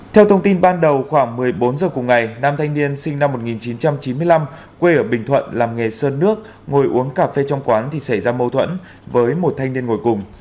theo thông tin ban đầu khoảng một mươi bốn h cùng ngày nam thanh niên sinh năm một nghìn chín trăm chín mươi năm quê ở bình thuận làm nghề sơn nước ngồi uống cà phê trong quán thì xảy ra mâu thuẫn với một thanh niên ngồi cùng